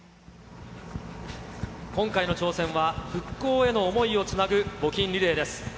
今回の挑戦は、復興への想いをつなぐ募金リレーです。